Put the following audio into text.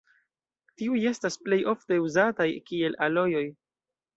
Tiuj estas plej ofte uzataj kiel alojoj.